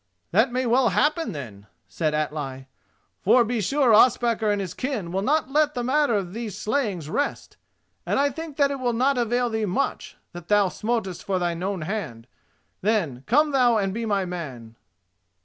"That may well happen, then," said Atli, "for be sure Ospakar and his kin will not let the matter of these slayings rest, and I think that it will not avail thee much that thou smotest for thine own hand. Then, come thou and be my man."